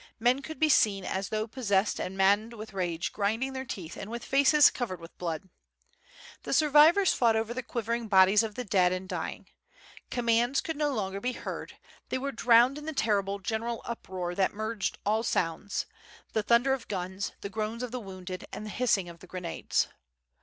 Men could be seen as though possessed and maddened with rage grinding their teeth and with faces covered with blood. .. The sur vivors fought over the quivering bodies of the dead and dying. Commands could no longer be heard, they were drowned in the terrible general uproar that merged all sounds, the thunder of guns, the groans of the wounded and the hissing of the grenades.